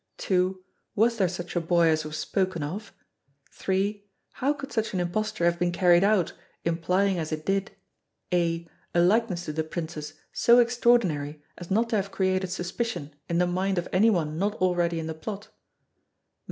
(2) Was there such a boy as was spoken of? (3) How could such an imposture have been carried out, implying as it did (a) A likeness to the Princess so extraordinary as not to have created suspicion in the mind of anyone not already in the plot.